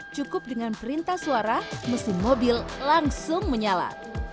cukup dengan perintah suara mesin mobil langsung menyala